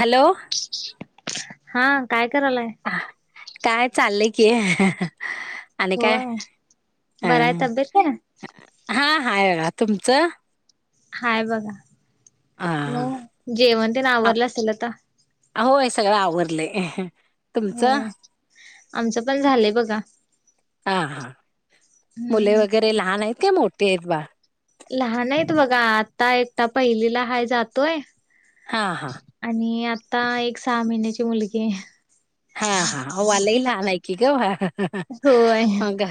Hello हा काय करालाय काय चाललंय की आणि काय होय बराय हा तब्येत आहे हा हाय बघा तुमचं हाय बघा हा मग जेवण ते ना हा. आवरलं असेल आता आ- होय सगळं आवरलं हो आमचं पण झालंय बघा हा हा मुले हम्म वगैरे लहान आहेत का मोठीे आहेत बाळ. लहान आहेत बघा आता एकटा पहिलीला हाय जातोय. हा हा आणि आता एक सहा महिन्याची मुलगी आहे. हा हा अव्वा लय लहान ऐकी ग. होय मग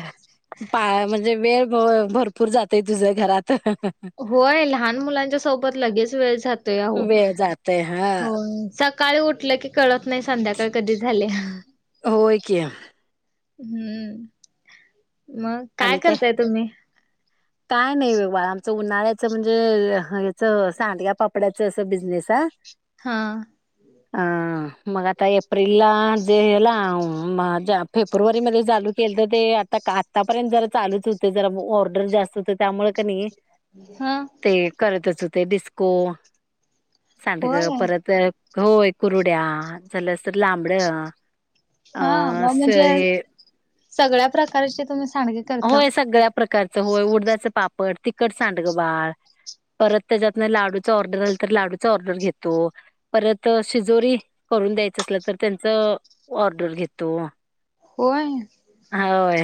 बाळ म्हणजे वेळ भरपूर जातय तुझ्या घरात होय लहान मुलांच्या सोबत लगेच वेळ जातोय अहो. वेळ जातय हा हो सकाळी उठलं की कळत नाही संध्याकाळ कधी झाल्या. होय की हम्म मग काय करताय तुम्ही काय नाही बघ बाळा. उन्हाळ्याच म्हणजे याच सांडग्या पापडाच अस बिजनेस आहे. हा. अ मग आता एप्रिलला जेला माझ्या फेब्रुवारी मध्ये चालू केलत तर ते आता आतापर्यंत जरा चालूच होते जरा ऑर्डर जास्त होत त्यामुळे क नी. हा. ते डिस्को सांडग होय परत होय कुरुड्या झाल. लांबड अ हा मग अस म्हणजे हे. सगळ्या प्रकारचे तुम्ही सांडगे करता. होय सगळ्या प्रकारचं होय उडदाचं पापड तिखट सांडगं बाळ. परत त्याच्यातन लाडूच ऑर्डर झालं तर लाडूचा ऑर्डर घेतो परत शिजोरी करून द्यायच अस तर त्यांच ऑर्डर घेतो. होय. होय.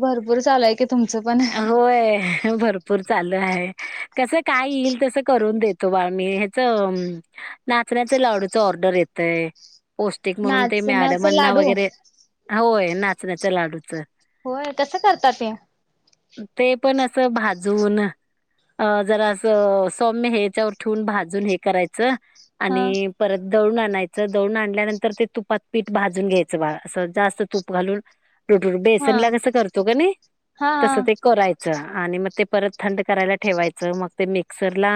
भरपूर चालू हाय की तुमचं पण होय, भरपूर चालू आहे कसं काय येईल तसं करून देतो बाळ मी ह्याच. नाचण्याच लाडूच ऑर्डर येतय पौष्टिक म्हणून ते नाचण्याच मॅडमांना लाडू वगैरे होय नाचण्याच लाडूच. होय कसं करता ते ते पण असं भाजून अ जरा असं सौम्य हेच्यावर ठेवून भाजून हे करायचं. हा आणि परत दळून आणायचं दळून आणल्यानंतर ते तुपात पीठ भाजून घ्यायचं बाळ अस जास्त तूप घालून [unintelligible] हा बेसन ला कसं करतो ग मी हा तसं ते करायचं. आणि म ते परत थंड करायला ठेवायचं मग ते मिक्सरला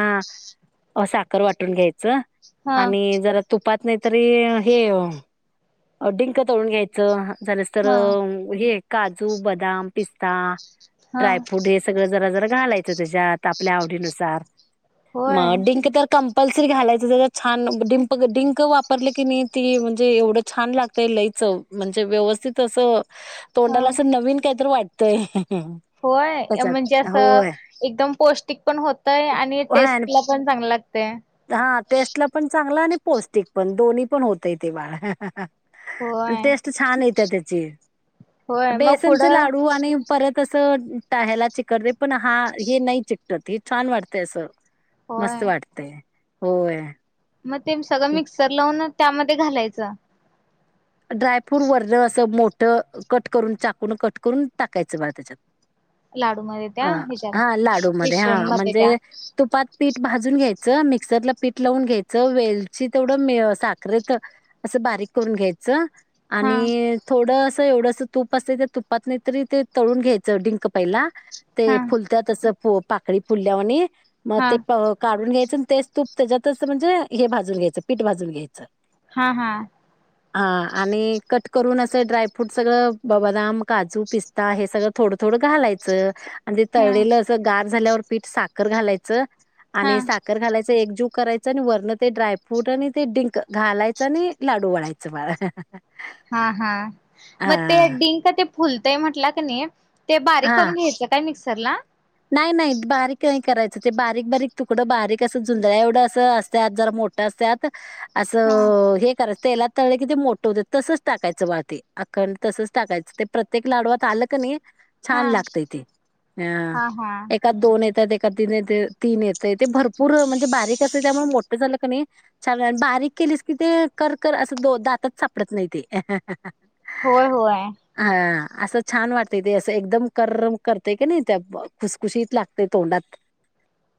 अ साखर वाटून घ्यायचं हा आणि जरा तुपात नाही तरी हे डिंक तळून घ्यायचं झालंस तर हा अं हे काजू, बदाम, पिस्ता हा डायफ्रूट हे सगळं जरा, जरा घालाय च तेच्यात आपल्या आवडी नुसार म होय डिंक तर कम पल्सरी घालायच तेच्यात छान डिंपक डिंक वापरले कीने ती म्हणजे एवढं छान लागतय लय चव म्हणजे व्यवस्थित असं हा तोंडाला अस नवीन काय तरी वाट तय. होय ए म्हणजे असं एकदम पौष्टिक पण होतय, आणि टेस्टला पण चांग लाग हा टेस्टला पण चांगला, आणि पौष्टिक पण दोन्ही पण होतय ते बाळा. आणि होय टेस्ट छान येत्या त्याची होय मग बेसनचे पुढं लाडू आणि परत तस च टाळ्याला चिकटते पण हा हे नाई चिकटत हे छान वाटतय असं. मस्त वाटतय होय. म तेम सगळं मिक्सर लावून त्यामध्ये घालायचं. ड्रायफ्रूट वरणं असं मोठ कट करून चाकून कट करून टाकायचं बाळ त्याच्यात. लाडू मध्ये त्या अ ह्याच्यात हा लाडू मध्ये, मिश्रण हा मध्ये त्या म्हणजे तुपात पीठ भाजून घ्याय च मिक्सरला पीठ लावून घ्यायचं वेलची तेवढं मे अ साखरेत असं बारीक करून घ्याय च हा आणि थोड असं त एवढंस तूप असतय, त्या तुपात न तरी ते तळून घ्यायचं डिंक पहिला ते हा फुलत्या तस पो पाकळी फुलल्या वाणी म हा ते प काढून घ्यायचं तेच तुप तेज्यातच, म्हणजे हे भाजून घ्यायचं, पीठ भाजून घ्यायचं. हा हा. हा आणि कट करून असं ड्रायफ्रूट सगळं ब बदाम, काजू, पिस्ता हे सगळ थोडं थोडं घालायचं. आणि ते तळलेलं असं गार झाल्यावर पीठ साखर घालायचं हा आणि साखर घालायचं एकजू करायच आणि वरण ते ड्रायफ्रूट आणि ते डिंक घालायचं आणि लाडू वळायचं बाळ. हा हा म ते डिंक ते फुलतंय म्हटला क ने ते बारीक करून घ्यायचं काय मिक्सर ला? नाई, नाई बारीक नाई करायचं, ते बारीक बारीक, तुकडं बारीक असं जोंधळ्या एवढं असं असत्यात जरा मोठा असत्यात अस हा हे कर तेलात तळले किते मोठं होते तसच टाकायचं बाळ ते अखंड तसच टाकायचं ते प्रत्येक लाडूवात आलं क ने छान हा लागतय ते अ हा एकात दोन येतात एकात तीन येते, तीन येते ते भरपूर, म्हणजे बारीक अस त्यामुळे मोठ झालं कने छान आणि बारीक केलीस की ते कर कर अस दो दातात सापडत नाही ते. होय होय. हां, असं छान वाटतय. ते असं एकदम कर्रम करतंय कने त्या खुसखुशीत लागतय तोंडात.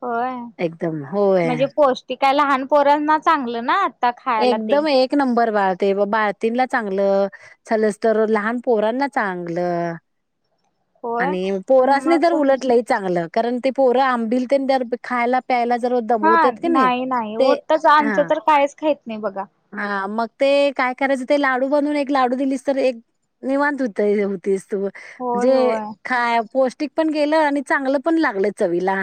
होय एकदम. होय. म्हणजे पौष्टिक काय लहानपोराणना चांगलं ना. खायला ते एकदम एक नंबर बाळा ते व बाळ तीन ला चांगलं च्छल तर लहान पोरांना चांगलं. होय आणि पोरासनी तर मग उलट लय चांगलं कारण ते पोरं आंबिल तेन [unintelligible] खायला प्यायला जर हा दमवतात की नाही, नाही ते वोटच आमचं तर कायच खाइत नाही बघा. हा मग ते काय करायचं, ते लाडू बनून एक लाडू दिलीस, तर एक निवांत होतय होतीस. व होय म्हणजे होय खाया पौष्टिक पण गेलं, आणि चांगलं पण लागलं चवीला.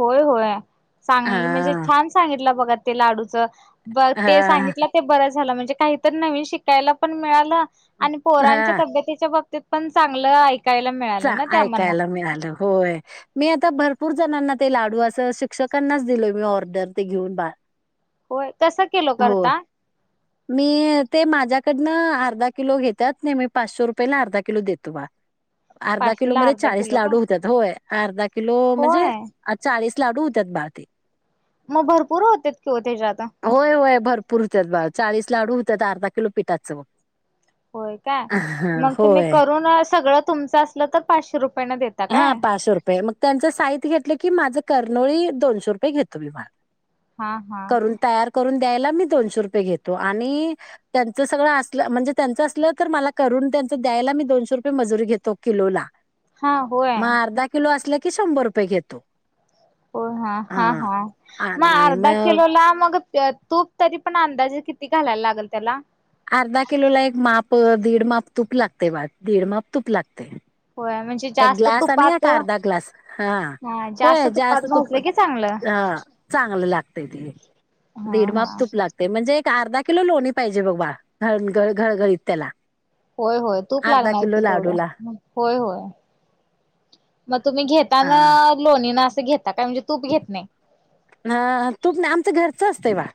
होय, होय चांगलं म्हणजे, हां, छान सांगितला बघा ते लाडूचं. बर ते हां, सांगितला ते बरं झालं म्हणजे काहीतरी नवीन शिकायला पण मिळालं. आणि पोरांच्या हां, तब्येतीच्या बाबतीत पण चांगलं. ऐकायला मिळालं ना त्या मना ऐकायला मिळालं होय मी आता भर भरपूर जणांना ते लाडू असं शिक्षकांनाच दिले मी ऑर्डर ते घेऊन बा. होय कसं किलो हो करता मी ते माझ्या कडनं अर्धा किलो घेतात नाही मी पाचशे रुपयेला अर्धा किलो देतो बा. अर्धा किलो पाचशेला मध्ये अर्धा चाळीस किलो का लाडू होतात होय अर्धा किलो म्हणजे होय चाळीस लाडू होत्यात बाळ ते मग भरपूर होते कि ओ त्याच्यात होय होय भरपूर त्यात बाळ चाळीस लाडू होतात अर्धा किलो पीठाचं. होय काय मग तुम्ही होय. करून सगळं तुमचं असलं तर पाचशे रुपये हा पाचशे रुपये मग त्यांचं साहित्य घेतलं की माझं कर्नोळी दोनशे रुपये घेतो मी मला हा हा करून तयार करून द्यायला मी दोेनशे रुपये घेतो आणि त्यांच सगळं असलं म्हणजे त्यांच असलं तर ते द्यामला करून द्यायला मी दोनशे रुपये मजुरी घेतो किलोला हा होय मग अर्धा किलो असले की शंभर रुपये घेतो. हो हा हा हा मग आणि अर्धा मग किलो ला मग तूप तरी पण अंदाजे किती घालायला लागेल त्याला अर्धा किलोला एक माप दीड माप तूप लागते बाळ दीड माप तूप लागते. होय म्हणजे एक जास्त ग्लास आणि तुपात एक अर्धा ग्लास हा होय तुपात जास्त तुप- भाजलं की चांगलं ह चांगलं लागतात ते हा दीड माप हा तूप लागते म्हणजे अर्धा किलो लोणी पाहिजे बघ बाळा घळघळ घळघळीत त्याला होय होय तूप अर्धा लागणार आहे किलो कि तेवढं लाडूला होय हो. मग तुम्ही घेताना लोणीनं असं काय म्हणजे तूप घेत नाही ह तूप आमच घरचं असते बाळ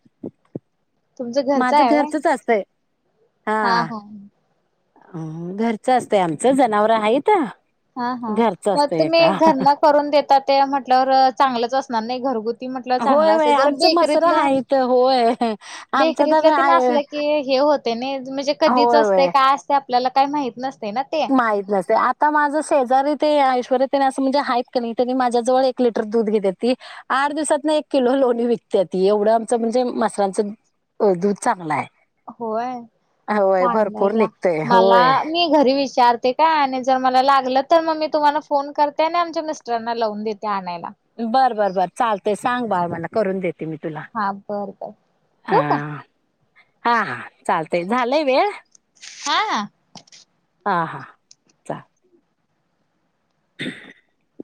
तुमचं घरचं माझं आहे व्हय घरचच असतय हा अ घरचं असतंय आमचं जनावरं आहेत हा हा घरचं मग असतंय तुम्ही का घरनं करून देता ते म्हटल्यावर चांगलंच असणार ना घरगु म्हटलं चांगलं होय वय असेल जर आमचं मसर बेकरीतला आहेत होय आमचं तर बेकरीतलं तेन आहे असलं की हे होत त्याने म्हणजे कधीचं होय असते वय काय असते आपल्याला काही माहित नसते ना ते माहित नसते आता माझं जरी ते ऐश्वर्या तेन असं म्हणजे आहेत कि नी तेनी माझ्याजवळ एक लिटर दूध घेतात ती आठ दिवात एक किलो लोणी विकते ती एवढं आमचं म्हणजे म्हसरांचं दूध चांगलं आहे होय होय चांगलं आहे भरपूर घ्या निघतय मला होय मी घरी विचार का आणि जर मला लागलं तर मग मी तुम्हाला फोन करते आणि आमच्या मिस्टरांना लावून देते आणायला बरं बरं बरं चालतंय सांग बाळ मला करून देत देते मी तुला हा बर बर ठेवू काय अह हा हा चालतय झालंय वेळ हा हा. हां हां चाल [unintelligible]